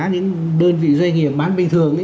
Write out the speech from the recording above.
những đơn vị doanh nghiệp bán bình thường ấy